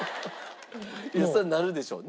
いやそりゃなるでしょうね。